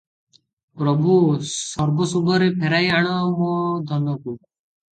ପ୍ରଭୁ! ସର୍ବଶୁଭରେ ଫେରାଇ ଆଣ ମୋ ଧନକୁ ।